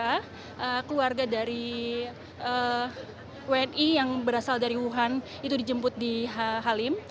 jadi keluarga dari wni yang berasal dari wuhan itu dijemput di halim